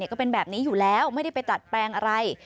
ก็เป็นแบบนี้อยู่แล้วไม่ได้ไปดัดแปลงอะไร